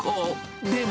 でも。